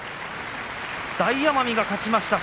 大奄美が勝ちました。